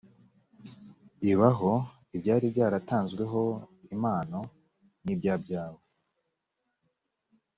ibaho ibyari byaratanzweho impano n ibyabyawe